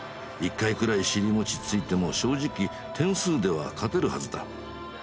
一回くらい尻餅ついても正直点数では勝てるはずだ。